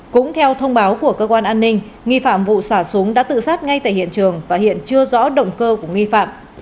cũng theo thông báo của cơ quan an ninh nghi phạm vụ xả súng đã tự sát ngay tại hiện trường và hiện chưa rõ động cơ của nghi phạm